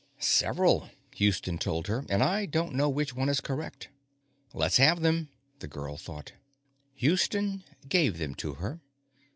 _ Several, Houston told her. And I don't know which one is correct. Let's have them, the girl thought. Houston gave them to her.